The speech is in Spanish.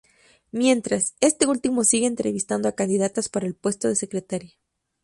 Mientras, este último sigue entrevistando a candidatas para el puesto de Secretaria.